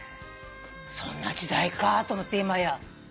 そんな時代かと思って今や。